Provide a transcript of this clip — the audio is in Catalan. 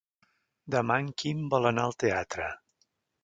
Demà en Quim vol anar al teatre.